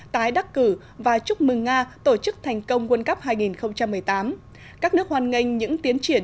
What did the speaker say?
tái đắc cử và chúc mừng nga tổ chức thành công quân cấp hai nghìn một mươi tám các nước hoàn ngành những tiến triển